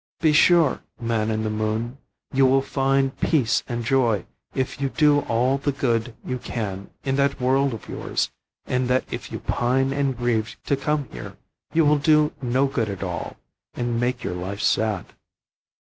Be sure, man in the moon, you will find peace and joy if you do all the good you can in that world of yours, and that if you pine and grieve to come here, you will do no good at all, and make your life sad.